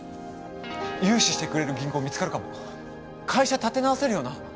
融資してくれる銀行見つかる会社立て直せるよな？